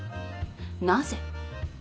なぜ？